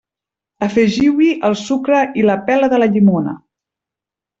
Afegiu-hi el sucre i la pela de la llimona.